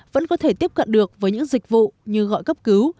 vẫn có thể tiếp cận được với những dịch vụ như gọi cấp cứu